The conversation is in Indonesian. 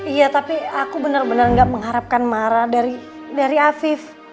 iya tapi aku benar benar gak mengharapkan marah dari afif